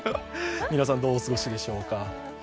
皆さん、どうお過ごしでしょうか。